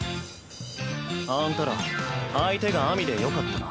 あんたら相手が秋水でよかったな。